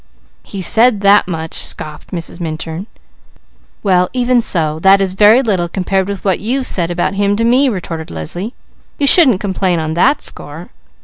"'He said that much '" scoffed Mrs. Minturn. "Well, even so, that is very little compared with what you've said about him to me," retorted Leslie. "You shouldn't complain on that score."